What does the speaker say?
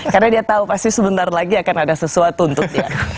karena dia tahu pasti sebentar lagi akan ada sesuatu untuk dia